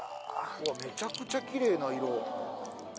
めちゃくちゃキレイな色。